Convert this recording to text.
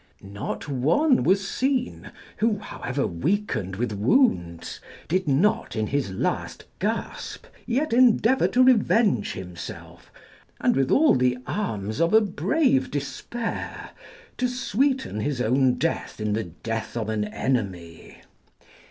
Not one was seen who, however weakened with wounds, did not in his last gasp yet endeavour to revenge himself, and with all the arms of a brave despair, to sweeten his own death in the death of an enemy.